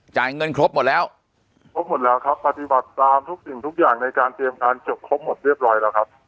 เงินครบหมดแล้วครบหมดแล้วครับปฏิบัติตามทุกสิ่งทุกอย่างในการเตรียมการจบครบหมดเรียบร้อยแล้วครับ